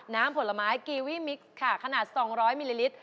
น้ำผลไม้กีวีมิกซ์ขนาด๒๐๐มิลลิลิตร